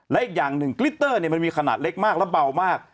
และอีกอย่างหนึ่งกริตเตอร์มันมีขนาดเล็กมากและเบามาก